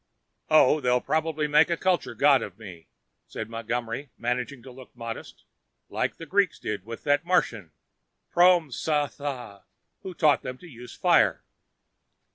"Oh, they'll probably make a culture god of me," said Montgomery, managing to look modest. "Like the Greeks did to that Martian, Proma Ss Thaa, who taught them the use of fire."